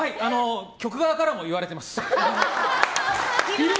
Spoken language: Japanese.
局側からも言われてます。